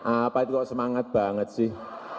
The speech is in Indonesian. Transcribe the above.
apa itu kok semangat banget sih